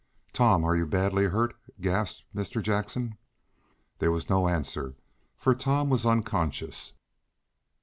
"Tom, are you badly hurt?" gasped Mr. Jackson. There was no answer, for Tom was unconscious.